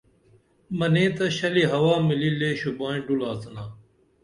منے تہ شلی ہوا ملی لے شُوبائی ڈُول آڅِنا